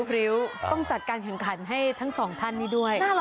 โอ้โหเนี่ยสุดยอดยุทิศเก่งขันให้ทั้งสองท่านด้วย